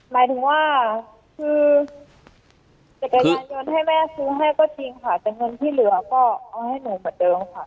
หมายถึงว่าคือจักรยานยนต์ให้แม่ซื้อให้ก็จริงค่ะแต่เงินที่เหลือก็เอาให้หนูเหมือนเดิมค่ะ